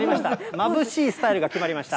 まぶしいスタイルが決まりました。